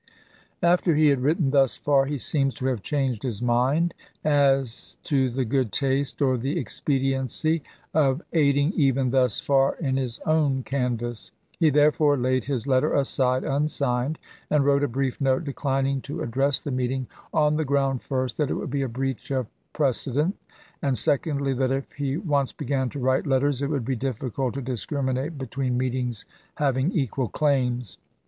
After he had written thus far he seems to have changed his mind as to the good taste or the expe diency of aiding even thus far in his own canvass. He therefore laid his letter aside unsigned and wrote a brief note declining to address the meeting, on the ground, first, that it would be a breach of prece dent, and, secondly, that if he once began to write letters it would be difficult to discriminate between Ibid meetings having equal claims.